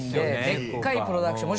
でかいプロダクション。